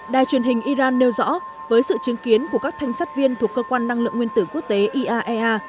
đài truyền hình iran nêu rõ với sự chứng kiến của các thanh sát viên thuộc cơ quan năng lượng nguyên tử quốc tế iaea